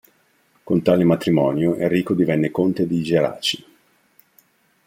Con tale matrimonio Enrico divenne conte di Geraci.